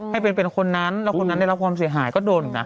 ให้เป็นคนนั้นแล้วคนนั้นได้รับความเสียหายก็โดนอีกนะ